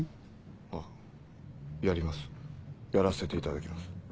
あっやりますやらせていただきます。